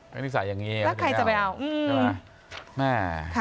นิสัยอย่างนี้แล้วใครจะไปเอาแม่